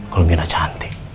kalau mira cantik